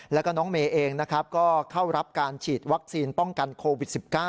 แล้วก็น้องเมย์เองนะครับก็เข้ารับการฉีดวัคซีนป้องกันโควิด๑๙